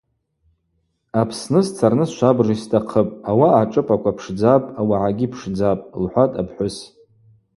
Апсны сцарныс швабыж йстахъыпӏ, ауаъа ашӏыпӏаква пшдзапӏ, ауагӏагьи пшдзапӏ, – лхӏватӏ апхӏвыс.